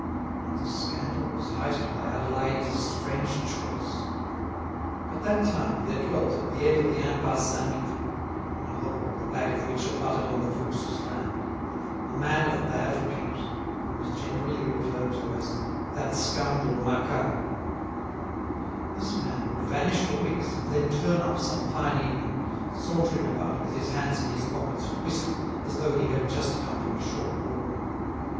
And the scandal was heightened by Adélaïde's strange choice. At that time there dwelt at the end of the Impasse Saint Mittre, in a hovel the back of which abutted on the Fouques' land, a man of bad repute, who was generally referred to as "that scoundrel Macquart." This man would vanish for weeks and then turn up some fine evening, sauntering about with his hands in his pockets and whistling as though he had just come from a short walk.